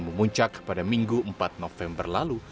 memuncak pada minggu empat november lalu